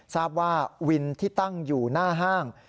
ทราบว่าวินที่ตั้งอยู่หน้าห้าง